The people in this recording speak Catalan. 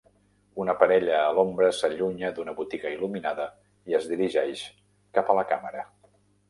Una parella a l'ombra s'allunya d'una botiga il·luminada i es dirigeix cap a la càmera